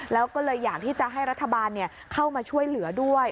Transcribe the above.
แล้วก็เลยอยากที่จะให้รัฐบาลเข้ามาช่วยเหลือด้วย